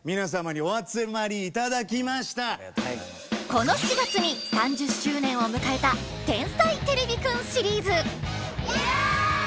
この４月に３０周年を迎えた「天才てれびくん」シリーズ！